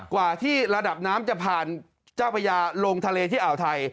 กว่าที่ระดับน้ำจะผ่านเจ้าพญาลงทะเลที่อ่าวไทย